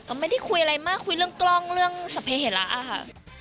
ก็ไม่ได้คุยอะไรมากคุยเรื่องกล้องเรื่องสัพเฮระอะค่ะ